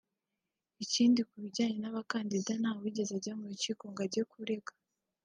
Ikindi ku bijyanye n’abakandida nta wigeze ajya mu rukiko ngo ajye kurega